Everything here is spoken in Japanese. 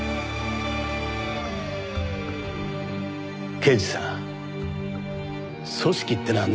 刑事さん組織ってのはね